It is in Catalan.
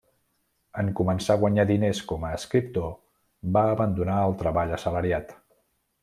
En començar a guanyar diners com a escriptor, va abandonar el treball assalariat.